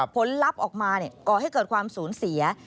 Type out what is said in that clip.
ผลลัพธ์ออกมาก่อให้เกิดความสูญเสีย